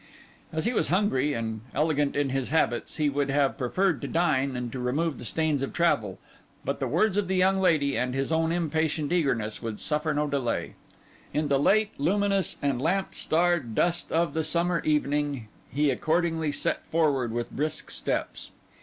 As he was hungry, and elegant in his habits, he would have preferred to dine and to remove the stains of travel; but the words of the young lady, and his own impatient eagerness, would suffer no delay. In the late, luminous, and lamp starred dusk of the summer evening, he accordingly set forward with brisk steps.